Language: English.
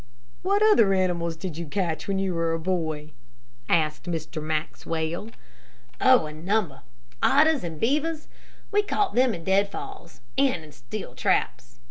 "What other animals did you catch when you were a boy?" asked Mr. Maxwell. "Oh, a number. Otters and beavers we caught them in deadfalls and in steel traps.